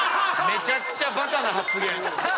めちゃくちゃバカな発言。